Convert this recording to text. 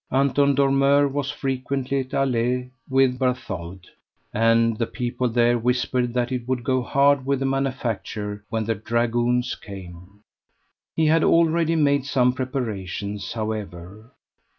Anton Dormeur was frequently at Alais with Bartholde, and the people there whispered that it would go hard with the manufacturer when the dragoons came. He had already made some preparations, however.